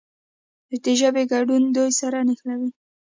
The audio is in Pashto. د ژبې ګډون دوی سره نښلوي.